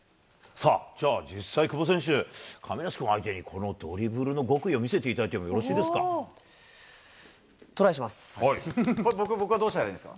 さあ、じゃあ実際、久保選手、亀梨君を相手に、このドリブルの極意を見せていただいてもよろしトライします。